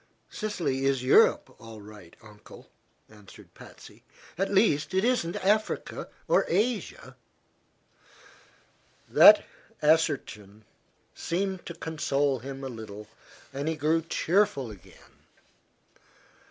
"Sicily is Europe, all right, Uncle," answered Patsy. "At least, it isn't Asia or Africa." That assertion seemed to console him a little, and he grew cheerful again.